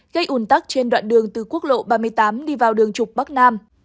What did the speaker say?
gây ủn tắc trên đoạn đường từ quốc lộ ba mươi tám đi vào đường trục bắc nam